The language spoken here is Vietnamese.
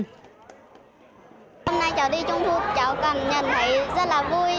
hôm nay cháu đi trung thu cháu cảm nhận thấy rất là vui